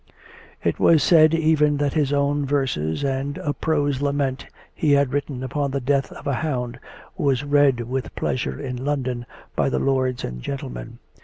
It was said even that his own verses, and a prose lament he had written upon the Death of a Hound, were read with pleasrure in London by the lords and gentlemen.